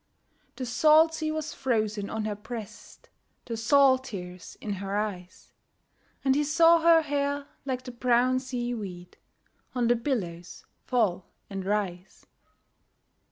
The salt sea was frozen on her breast, The salt tears in her eyes; And he saw her hair like the brown sea weed On the billows fall and rise.